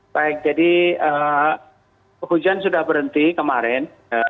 baik jadi hujan sudah berhenti kemarin